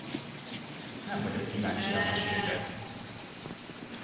Nem vagyok kíváncsi a mesédre!